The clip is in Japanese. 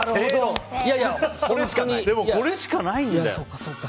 でも、これしかないんだよ。